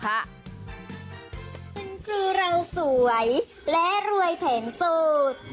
คือเราสวยและรวยแทนสูตร